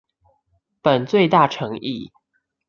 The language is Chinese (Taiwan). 本最⼤誠意